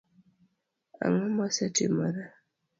Ang'o mosetimore?